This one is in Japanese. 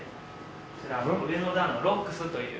こちら上の段のロックスという。